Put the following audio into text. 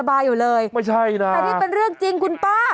อันนี้เป็นเรื่องจริงคุณป้า